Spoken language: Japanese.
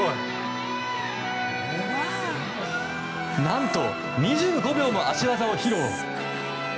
何と２５秒も脚技を披露。